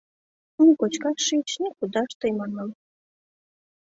Ни кочкаш шич, ни кудаш тый манмым